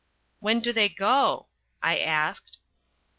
"When do they go?" I asked.